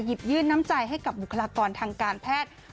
ยื่นน้ำใจให้กับบุคลากรทางการแพทย์